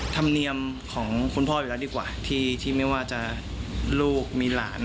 ธรรมเนียมของคุณพ่ออยู่แล้วดีกว่าที่ไม่ว่าจะลูกมีหลาน